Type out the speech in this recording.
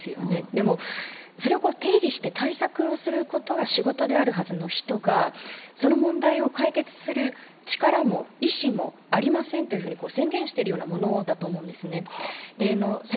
でも、それを定義して対策をすることであるはずの人がその問題を解決する力も意思もありませんと宣言しているようなものだと思うんですね。